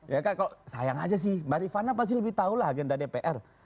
ya kok sayang aja sih mbak rifana pasti lebih tahulah agenda dpr